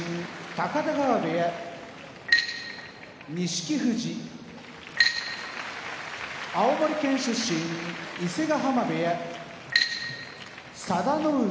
高田川部屋錦富士青森県出身伊勢ヶ濱部屋佐田の海